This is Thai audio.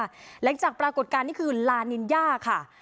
หลังจากปรากฏการณ์นี่คือลานินย่าค่ะ